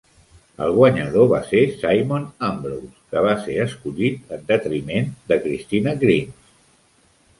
El guanyador va ser Simon Ambrose, que va ser escollit en detriment de Kristina Grimes.